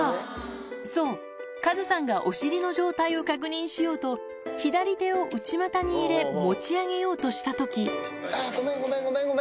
そう、カズさんがお尻の状態を確認しようと左手を内股に入れ持ち上げよごめん、ごめん、ごめん。